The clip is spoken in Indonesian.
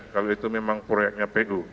kalau itu memang proyeknya pegu